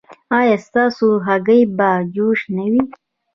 ایا ستاسو هګۍ به جوش نه وي؟